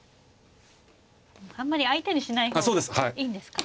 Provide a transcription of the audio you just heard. あんまり相手にしない方がいいんですか。